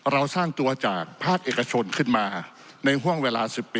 เราสร้างตัวจากภาคเอกชนขึ้นมาในห่วงเวลา๑๐ปี